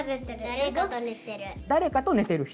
誰かと寝てる人！